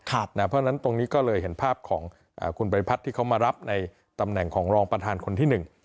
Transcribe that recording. เพราะฉะนั้นตรงนี้ก็เลยเห็นภาพของคุณบริพัฒน์ที่เขามารับในตำแหน่งของรองประธานคนที่๑